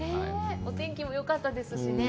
お天気もよかったですしね。